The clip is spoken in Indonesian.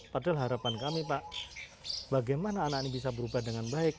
padahal harapan kami pak bagaimana anak ini bisa berubah dengan baik